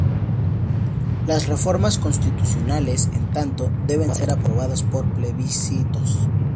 Las reformas constitucionales, en tanto, deben ser aprobadas por plebiscitos.